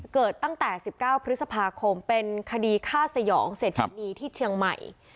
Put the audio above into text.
เกิดตั้งแต่๑๙พฤษภาคมเป็นคดีฆ่าสยองเศรษฐินีที่เชียงใหม่